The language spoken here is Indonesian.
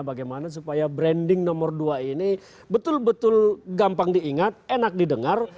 bagaimana supaya branding nomor dua ini betul betul gampang diingat enak didengar